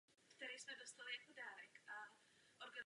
Ve vodě je poháněno dvojicí vodních trysek umístěných v zádi.